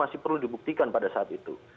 masih perlu dibuktikan pada saat itu